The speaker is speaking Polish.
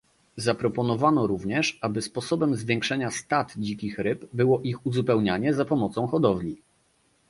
Zaproponowano również, aby sposobem zwiększenia stad dzikich ryb było ich uzupełnienie za pomocą hodowli